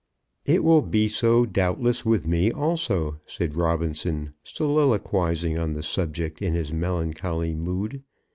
"It will be so doubtless with me also," said Robinson, soliloquizing on the subject in his melancholy mood.